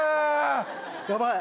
ヤバい。